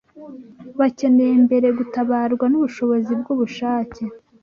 bakeneye mbere, gutabarwa n’ubushobozi bw’ubushake